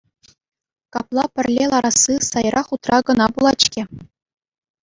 Капла пӗрле ларасси сайра хутра кӑна пулать-ҫке.